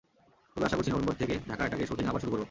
তবে আশা করছি, নভেম্বর থেকে ঢাকা অ্যাটাক–এর শুটিং আবার শুরু করব।